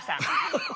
ハハハ！